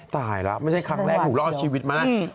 ตายแล้วไม่ใช่ครั้งแรกถูกรอดชีวิตมานะ